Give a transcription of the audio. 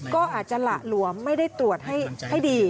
ก็อาจจะหละหลวมไม่ได้ตรวจให้ดี